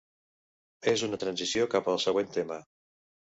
És una transició cap al següent tema.